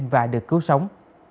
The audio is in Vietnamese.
và được cứu sống